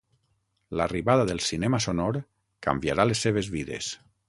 L'arribada del cinema sonor canviarà les seves vides.